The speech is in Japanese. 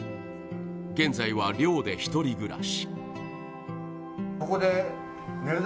現在は寮で１人暮らし。